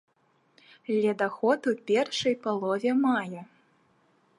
Ледаход у першай палове мая.